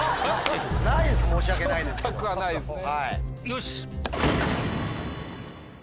よし！